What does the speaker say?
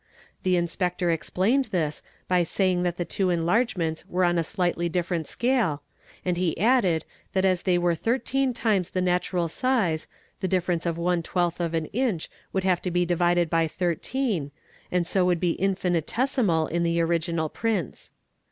The Inspector explained this by saying that the two enlarge ments were on a slightly different scale, and he added that as they were thirteen times the natural size the difference of one twelfth of an inch would have to be divided by 13, and so would be infinitesimal in the ori ginal prints.